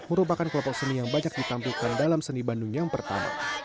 merupakan kelompok seni yang banyak ditampilkan dalam seni bandung yang pertama